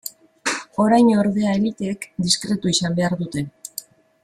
Orain, ordea, eliteek diskretu izan behar dute.